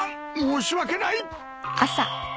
申し訳ない。